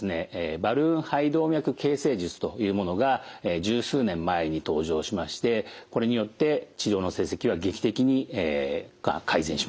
バルーン肺動脈形成術というものが十数年前に登場しましてこれによって治療の成績は劇的に改善しました。